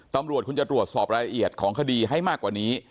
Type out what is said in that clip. ตำรวจคุณจะตรวจสอบรายละเอียดของคดีให้มากกว่านี้